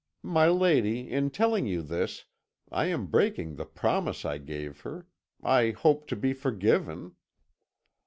My lady, in telling you this. I am breaking the promise I gave her; I hope to be forgiven.'